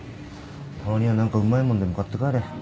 たまには何かうまいもんでも買って帰れ。